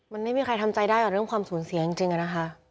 มันไม่มีใครทำใจได้กับเรื่องความสูญเสียจริงอะนะคะ